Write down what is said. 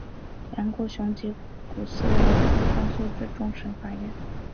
梁国雄及古思尧最后上诉至终审法院。